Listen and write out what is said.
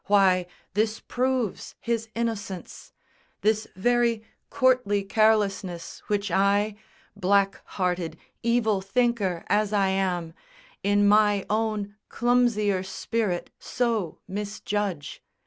Why, this proves his innocence This very courtly carelessness which I, Black hearted evil thinker as I am, In my own clumsier spirit so misjudge!